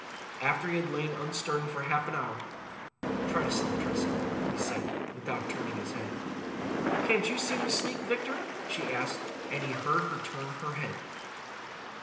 After he had lain unstirring for half an hour: "Try to sleep, Tressa," he said, without turning his head. "Can't you seem to sleep, Victor?" she asked. And he heard her turn her head.